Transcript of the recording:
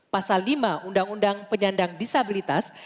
pasal lima undang undang penyandang disabilitas